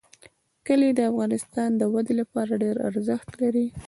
کلي د اقتصادي ودې لپاره ډېر ارزښت لري.